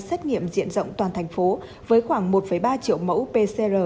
xét nghiệm diện rộng toàn thành phố với khoảng một ba triệu mẫu pcr